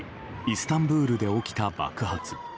イスタンブールで起きた爆発。